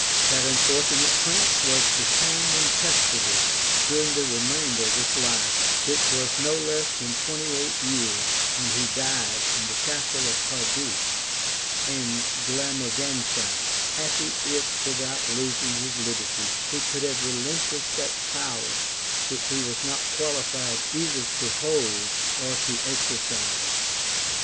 That unfortunate prince was detained in custody during the remainder of his life, which was no less than twenty eight years, and he died in the castle of Cardiff in Glamorganshire; happy, if, without losing his liberty, he could have relinquished that power which he was not qualified either to hold or exercise.